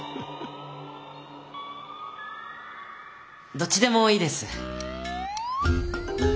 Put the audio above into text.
どっちでもいいです。